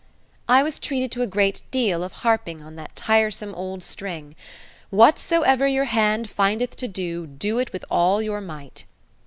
I was treated to a great deal of harping on that tiresome old string, "Whatsoever your hand findeth to do, do it with all your might."